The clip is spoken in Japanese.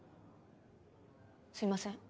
すいません。